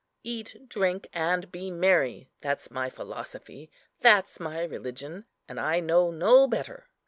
Eat, drink, and be merry, that's my philosophy, that's my religion; and I know no better.